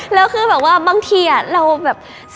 แล้วคือแบบว่าบางทีเราแบบ